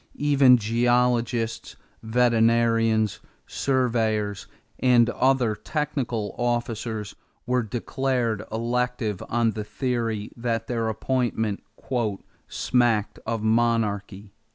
Even geologists, veterinarians, surveyors, and other technical officers were declared elective on the theory that their appointment "smacked of monarchy."